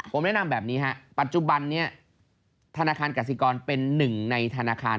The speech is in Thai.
ผมแนะนำแบบนี้ฮะปัจจุบันนี้ธนาคารกสิกรเป็นหนึ่งในธนาคาร